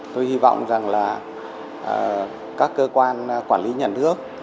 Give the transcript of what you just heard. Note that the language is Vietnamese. tôi hy vọng rằng là các cơ quan quản lý nhà nước